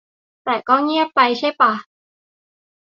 แต่ก็เงียบไปใช่ป่ะ